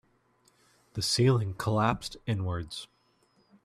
The ceiling collapsed inwards.